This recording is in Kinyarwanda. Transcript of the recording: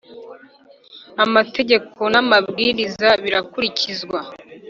amategeko n’amabwirizwa birakurikizwa